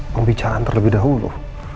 pembicaraan terlebih dahulu